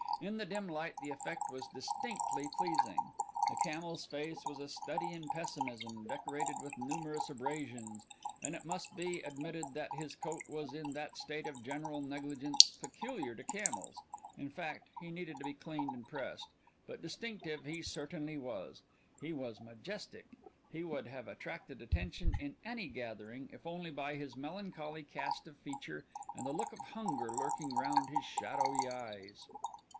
In the dim light the effect was distinctly pleasing. The camel's face was a study in pessimism, decorated with numerous abrasions, and it must be admitted that his coat was in that state of general negligence peculiar to camels in fact, he needed to be cleaned and pressed but distinctive he certainly was. He was majestic. He would have attracted attention in any gathering, if only by his melancholy cast of feature and the look of hunger lurking round his shadowy eyes.